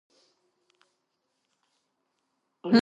მარჯვნიდან ერთვის მდინარე სელიმი.